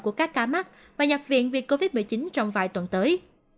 của các cá mắt và nhập viện vì covid một mươi chín trong vài tuần tới